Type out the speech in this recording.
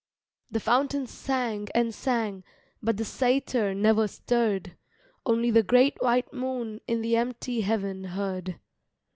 The fountain sang and sang But the satyr never stirred Only the great white moon In the empty heaven heard.